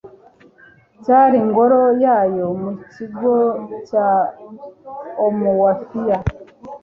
cyari ngoro yayo mu kigo cya umuofia